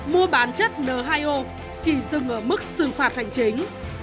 mua bán chất n hai o chỉ dừng ở mức xử phạt hành chính